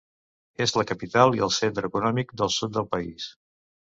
És la capital i el centre econòmic del sud del país.